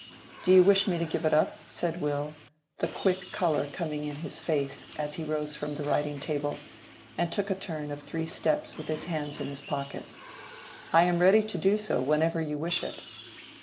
"Do you wish me to give it up?" said Will, the quick color coming in his face, as he rose from the writing table, and took a turn of three steps with his hands in his pockets. "I am ready to do so whenever you wish it."